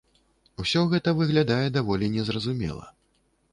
Усё гэта выглядае даволі не зразумела.